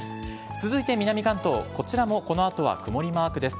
続いて南関東、こちらもこのあとは曇りマークです。